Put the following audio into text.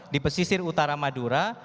di pesisir utara madura